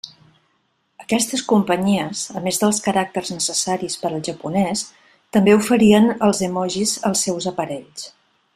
Aquestes companyies, a més dels caràcters necessaris per al japonès, també oferien els emojis als seus aparells.